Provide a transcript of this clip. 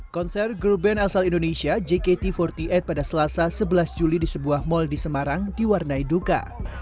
konser girl band asal indonesia jkt empat puluh delapan pada selasa sebelas juli di sebuah mall di semarang diwarnai duka